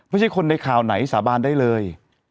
ไม่ใช่คนในข่าวไหนสาบานได้เลย